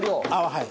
はい。